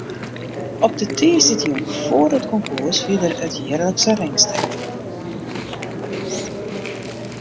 Op de tiisdeitejûn foar it konkoers wie der it jierlikse ringstekken.